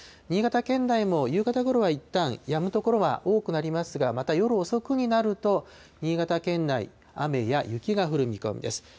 新潟県内も夕方ごろは、いったんやむ所は多くなりますが、また夜遅くになると、新潟県内、雨や雪が降る見込みです。